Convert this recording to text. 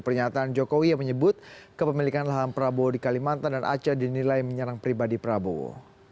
pernyataan jokowi yang menyebut kepemilikan lahan prabowo di kalimantan dan aceh dinilai menyerang pribadi prabowo